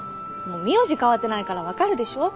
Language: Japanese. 名字変わってないからわかるでしょ。